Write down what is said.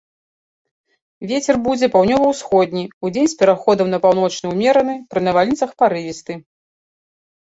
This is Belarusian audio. Вецер будзе паўднёва-ўсходні, удзень з пераходам на паўночны ўмераны, пры навальніцах парывісты.